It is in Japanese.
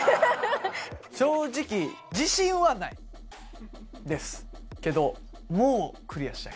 正直、自信はないですけど、もう、クリアしたい。